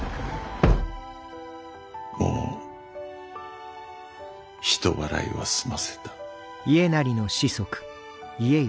もう人払いは済ませた。